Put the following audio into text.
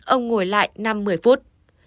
ông ngồi lại năm một mươi phút